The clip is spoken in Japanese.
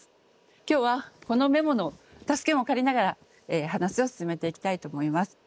今日はこのメモの助けも借りながら話を進めていきたいと思います。